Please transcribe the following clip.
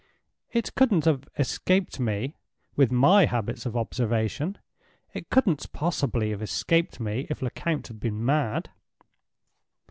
"It couldn't have escaped me, with my habits of observation; it couldn't possibly have escaped me if Lecount had been mad."